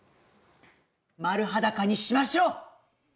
丸裸にしましょう。